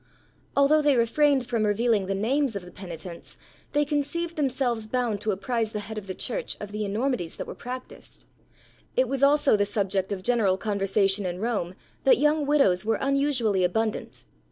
Although they refrained from revealing the names of the penitents, they conceived themselves bound to apprise the head of the Church of the enormities that were practised. It was also the subject of general conversation in Rome that young widows were unusually abundant.